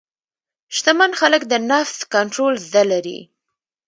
شتمن خلک د نفس کنټرول زده لري.